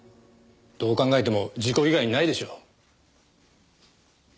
どう考えても事故以外にないでしょう。